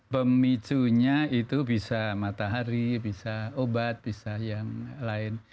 pemicunya itu bisa matahari bisa obat bisa yang lain